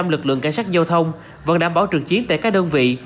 một trăm linh lực lượng cảnh sát giao thông vẫn đảm bảo trực chiến tại các đơn vị